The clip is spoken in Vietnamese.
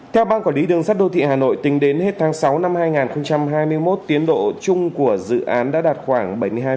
theo ban quản lý đường sắt đô thị hà nội tính đến hết tháng sáu năm hai nghìn hai mươi một tiến độ chung của dự án đã đạt khoảng bảy mươi hai